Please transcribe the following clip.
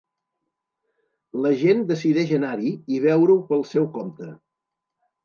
La gent decideix anar-hi i veure-ho pel seu compte.